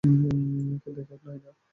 দেখ, নায়না।